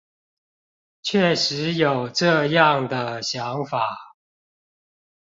確實有這樣的想法